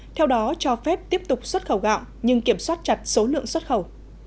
theo đó cho phép tiếp tục xuất khẩu gạo nhưng kiểm soát chặt số lượng xuất khẩu